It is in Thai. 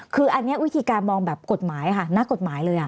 คืออันนี้วิธีการมองแบบกฎหมายค่ะนักกฎหมายเลย